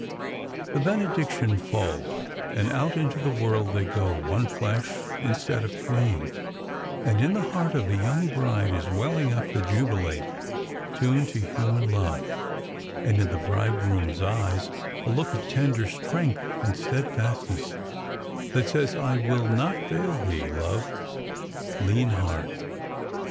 The benediction falls,— and out Into the world they go, one flesh instead Of twain ; and in the heart of the young bride Is welling up the Jubilate,^' tuned To human love ; and in the bridegroom's eyes A look of tender strength and steadfastness That says, " I will not fail thee, love,— lean hard